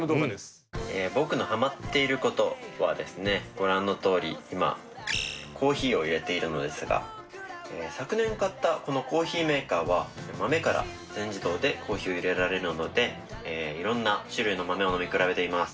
ご覧のとおり今コーヒーをいれているのですが昨年買ったこのコーヒーメーカーは豆から全自動でコーヒーをいれられるのでいろんな種類の豆を飲み比べています。